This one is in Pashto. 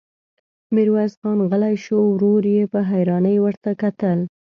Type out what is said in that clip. ميرويس خان غلی شو، ورور يې په حيرانۍ ورته کتل.